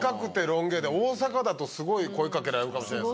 大阪だとスゴい声かけられるかもしれないです。